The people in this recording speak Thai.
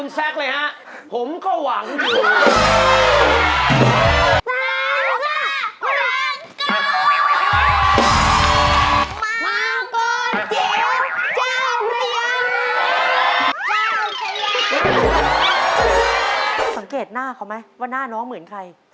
สังเกตหน้าเขาไหมว่าหน้าน้องเหมือนใคร